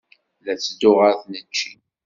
La ttedduɣ ɣer tneččit.